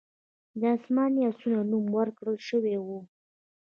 د اسماني آسونو نوم ورکړل شوی و